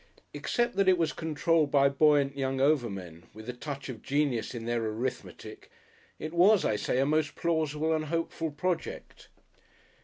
Except that it was controlled by buoyant young Over men with a touch of genius in their arithmetic, it was, I say, a most plausible and hopeful project.